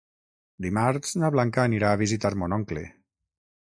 Dimarts na Blanca anirà a visitar mon oncle.